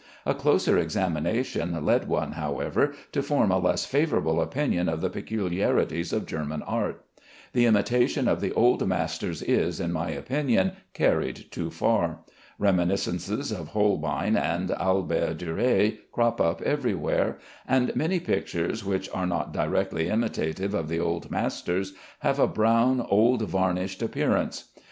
A closer examination led one, however, to form a less favorable opinion of the peculiarities of German art. The imitation of the old masters is, in my opinion, carried too far. Reminiscences of Holbein and Albert Durer crop up everywhere, and many pictures which are not directly imitative of the old masters have a brown old varnished appearance.